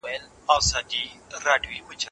باطل هیڅکله رښتینی عزت نه سي موندلای.